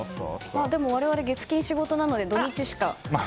我々、月金仕事なので土日しか。